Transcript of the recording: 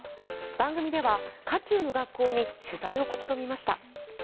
番組では渦中の学校に取材を試みました。